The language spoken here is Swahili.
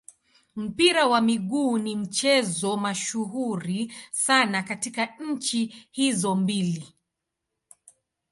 Mpira wa miguu ni mchezo mashuhuri sana katika nchi hizo mbili.